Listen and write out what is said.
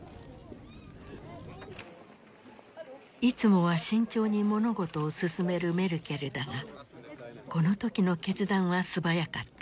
いつもは慎重に物事を進めるメルケルだがこの時の決断は素早かった。